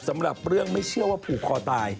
สำหรับเรื่องไม่เชื่อว่าผูกคอตาย